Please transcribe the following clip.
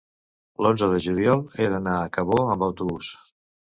l'onze de juliol he d'anar a Cabó amb autobús.